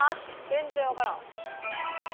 全然わからん。